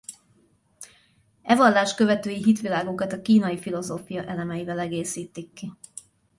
E vallás követői hitvilágukat a kínai filozófia elemeivel egészítik ki.